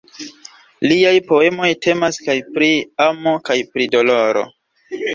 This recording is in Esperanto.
Liaj poemoj temas kaj pri amo kaj pri doloro.